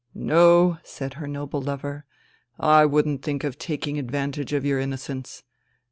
" No," said her noble lover, " I wouldn't think of taking advantage of your innocence.